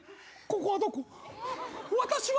ここはどこ？